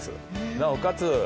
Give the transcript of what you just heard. なおかつ